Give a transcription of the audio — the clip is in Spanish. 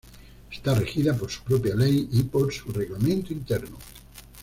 Está regida por su propia ley y por su reglamento interno.